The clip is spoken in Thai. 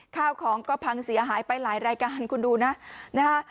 ข้าวของก็พังเสียหายไปหลายรายการคุณดูนะนะฮะ